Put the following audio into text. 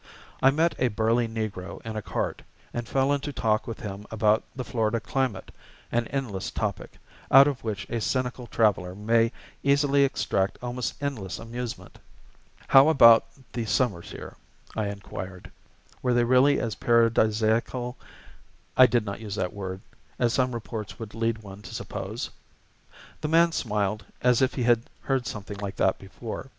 I met a burly negro in a cart, and fell into talk with him about the Florida climate, an endless topic, out of which a cynical traveler may easily extract almost endless amusement. How abput the summers here? I inquired. Were they really as paradisaical (I did not use that word) as some reports would lead one to suppose? The man smiled, as if he had heard something like that before.